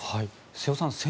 瀬尾さん